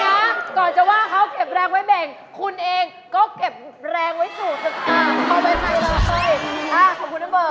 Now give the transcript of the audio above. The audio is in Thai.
นั่นก่อนจะว่าเขามาแบ่งของคุณเองก็มาอย่างรับ